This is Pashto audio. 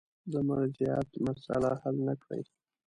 د مرجعیت مسأله حل نه کړي.